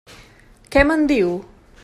Què me'n diu?